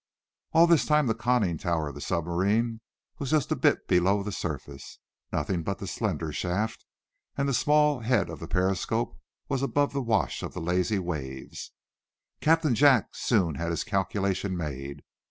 All this time the conning tower of the submarine was just a bit below the surface. Nothing but the slender shaft and the small head of the periscope was above the wash of the lazy waves. Captain Jack soon had his calculation made.